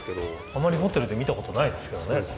あまりホテルで見たことないですけどね。